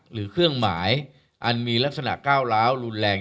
หรือเครื่องหมายอันมีลักษณะก้าวร้าวรุนแรง